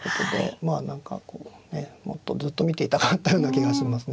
まあ何かこうねもっとずっと見ていたかったような気がしますね。